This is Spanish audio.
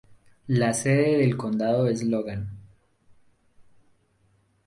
La sede del condado es Logan.